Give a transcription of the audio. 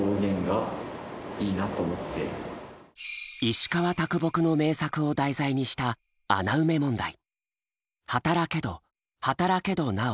石川啄木の名作を題材にした穴埋め問題。